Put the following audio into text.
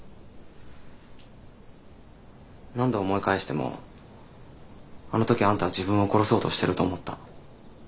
何度思い返してもあの時あんたは自分を殺そうとしてると思った。